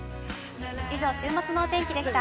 以上、週末のお天気でした。